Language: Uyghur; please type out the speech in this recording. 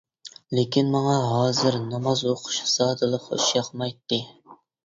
لېكىن ماڭا ھازىر ناماز ئوقۇش زادىلا خۇشياقمايتتى.